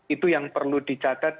itu yang perlu dicatat